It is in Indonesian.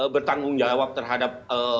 bertanggung jawab terhadap